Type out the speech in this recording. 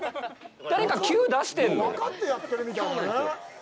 誰か、キュー出してんの！？